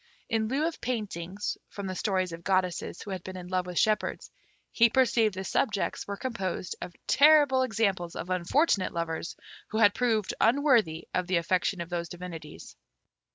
In lieu of paintings from the stories of goddesses who had been in love with shepherds, he perceived the subjects were composed of terrible examples of unfortunate lovers who had proved unworthy of the affection of those divinities.